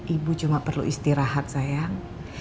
ibu cuma perlu istirahat sayang